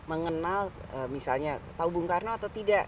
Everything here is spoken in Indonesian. mengenal misalnya tahu bung karno atau tidak